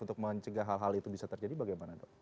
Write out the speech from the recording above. untuk mencegah hal hal itu bisa terjadi bagaimana dok